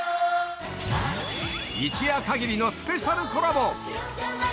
一夜限りのスペシャルコラボ。